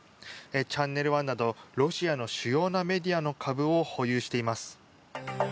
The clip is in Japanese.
チャンネル１などロシアの主要なメディアの株を保有しています。